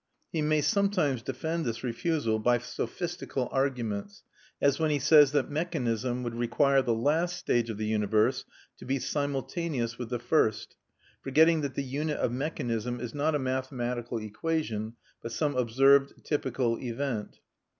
He may sometimes defend this refusal by sophistical arguments, as when he says that mechanism would require the last stage of the universe to be simultaneous with the first, forgetting that the unit of mechanism is not a mathematical equation but some observed typical event.